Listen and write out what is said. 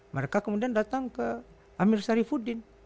mereka kemudian datang ke amir syarifuddin